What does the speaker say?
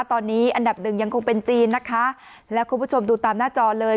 ตอนนี้อันดับหนึ่งยังคงเป็นจีนนะคะแล้วคุณผู้ชมดูตามหน้าจอเลย